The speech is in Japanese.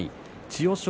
千代翔